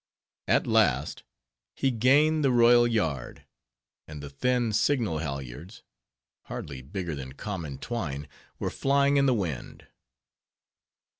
At last he gained the royal yard, and the thin signal halyards—, hardly bigger than common twine—were flying in the wind.